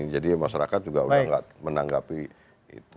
jadi masyarakat juga udah nggak menanggapi itu